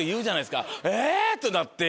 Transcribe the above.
「え⁉」ってなって。